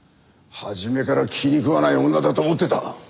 初めから気にくわない女だと思ってたが。